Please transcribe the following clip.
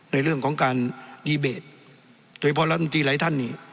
ในเรื่องของการดีเบตโดยเฉพาะรัฐมนตรีหลายท่านนี่